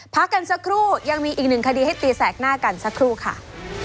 พักกันสักครู่ยังมีอีกหนึ่งคดีให้ตีแสกหน้ากันสักครู่ค่ะ